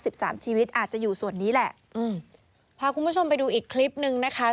สามชีวิตอาจจะอยู่ส่วนนี้แหละอืมพาคุณผู้ชมไปดูอีกคลิปนึงนะคะ